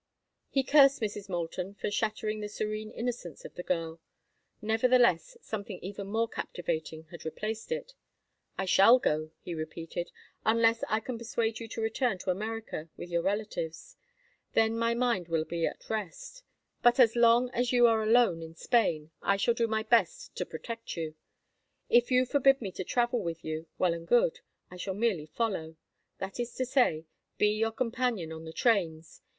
He cursed Mrs. Moulton for shattering the serene innocence of the girl; nevertheless, something even more captivating had replaced it. "I shall go," he repeated, "unless I can persuade you to return to America with your relatives. Then my mind will be at rest. But as long as you are alone in Spain I shall do my best to protect you. If you forbid me to travel with you, well and good. I shall merely follow—that is to say, be your companion on the trains.